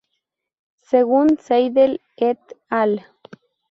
Según Seidel et al.